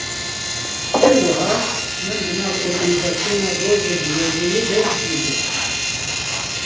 Her wiha, min di nav organîzasyona Rojên Wêjeyê de cih girt